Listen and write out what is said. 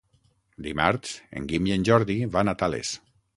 Dimarts en Guim i en Jordi van a Tales.